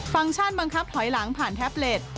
ฟังก์ชั่นบังคับถอยหลังผ่านแท็บเล็ต